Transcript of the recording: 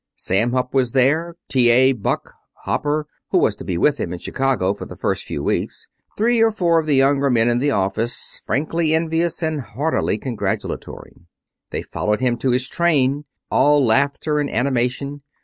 Sam Hupp was there, T.A. Buck, Hopper, who was to be with him in Chicago for the first few weeks, three or four of the younger men in the office, frankly envious and heartily congratulatory. They followed him to his train, all laughter and animation.